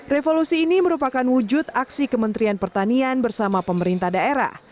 revolusi ini merupakan wujud aksi kementerian pertanian bersama pemerintah daerah